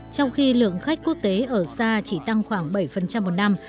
trong khi lượng khách quốc tế ở xa chỉ tăng khoảng bảy một năm